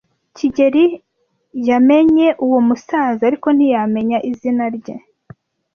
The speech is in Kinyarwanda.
kigeli yamenye uwo musaza, ariko ntiyamenya izina rye.